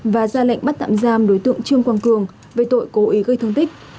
và ra lệnh bắt tạm giam đối tượng trương quang cường về tội cố ý gây thương tích